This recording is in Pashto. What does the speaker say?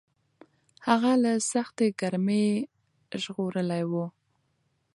هغه له سختې ګرمۍ ژغورلی و.